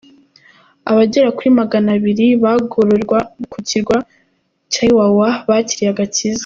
Abagera kuri magana abiri bagororerwa ku Kirwa cya Iwawa bakiriye agakiza